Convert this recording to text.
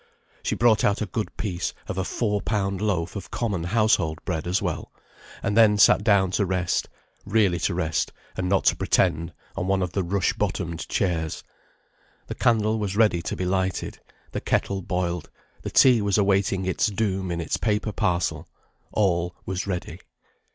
She brought out a good piece of a four pound loaf of common household bread as well, and then sat down to rest, really to rest, and not to pretend, on one of the rush bottomed chairs. The candle was ready to be lighted, the kettle boiled, the tea was awaiting its doom in its paper parcel; all was ready.